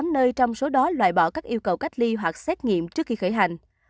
tám nơi trong số đó loại bỏ các yêu cầu cách ly hoặc xét nghiệm trước khi khởi hành